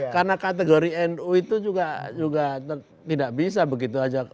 karena kategori nu itu juga tidak bisa begitu saja